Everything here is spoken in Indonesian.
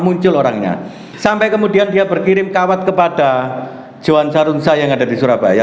muncul orangnya sampai kemudian dia berkirim kawat kepada johan sarunsa yang ada di surabaya